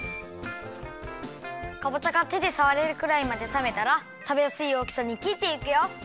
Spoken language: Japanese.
かぼちゃがてでさわれるくらいまでさめたらたべやすいおおきさにきっていくよ。